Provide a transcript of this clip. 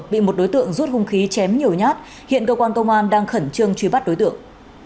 bị một đối tượng rút hung khí chém nhiều nhát hiện cơ quan công an đang khẩn trương truy bắt đối tượng